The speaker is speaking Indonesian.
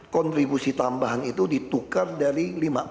kontribusi tambahan itu ditukar dari